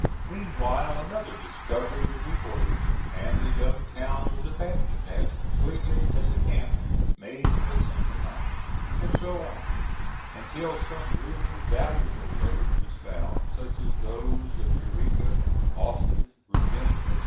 Meanwhile another discovery was reported, and the young town was abandoned as completely as a camp made for a single night; and so on, until some really valuable lode was found, such as those of Eureka, Austin, Virginia, etc.